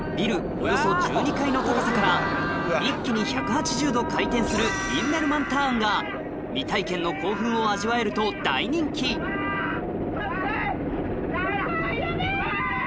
およそ１２階の高さから一気に１８０度回転するインメルマン・ターンが未体験の興奮を味わえると大人気ウソだろ！